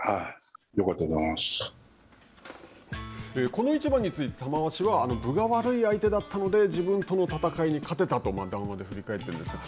この一番について玉鷲は、分が悪い相手だったので自分との戦いに勝てたと談話で振り返っているんですが。